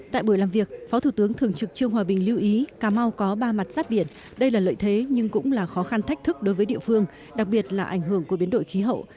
tại buổi làm việc phó thủ tướng thường trực trương hòa bình lưu ý cà mau có ba mặt sát biển đây là lợi thế nhưng cũng là khó khăn thách thức đối với địa phương đặc biệt là ảnh hưởng của biến đổi khí hậu